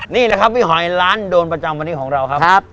นี่แหละครับพี่หอยร้านโดนประจำวันนี้ของเราครับ